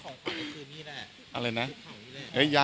ของขวัญรับปริญญา